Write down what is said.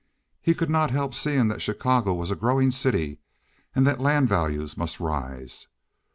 He could not help seeing that Chicago was a growing city, and that land values must rise.